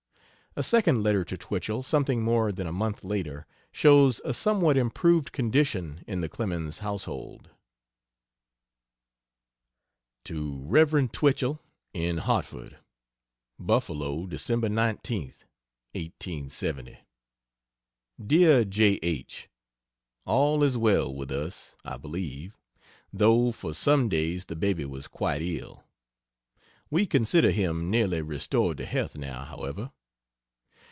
A second letter to Twichell, something more than a month later, shows a somewhat improved condition in the Clemens household. To Rev. Twichell, in Hartford: BUF. Dec. 19th, 1870. DEAR J. H., All is well with us, I believe though for some days the baby was quite ill. We consider him nearly restored to health now, however.